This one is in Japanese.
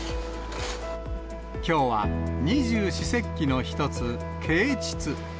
きょうは二十四節気の一つ、啓ちつ。